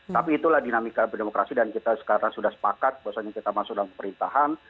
tapi itulah dinamika berdemokrasi dan kita sekarang sudah sepakat bahwasannya kita masuk dalam pemerintahan